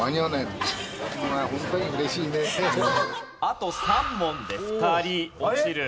あと３問で２人落ちる。